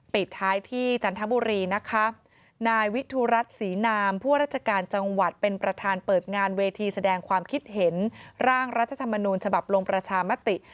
ปิดท้ายที่จันทบุรีนะคะนายวิทูรัฐศรีนามผู้ราชการจังหวัดเป็นประธานเปิดงานเวทีแสดงความคิดเห็นร่างรัฐธรรมนูญฉบับลงประชามติ